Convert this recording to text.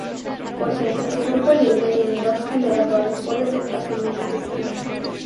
Por ejemplo, el grupo libre en dos generadores puede ser fácilmente descrito.